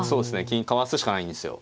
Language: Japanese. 金かわすしかないんですよ。